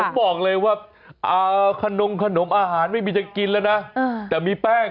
ผมบอกเลยว่าขนมขนมอาหารไม่มีจะกินแล้วนะแต่มีแป้ง